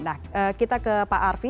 nah kita ke pak arfi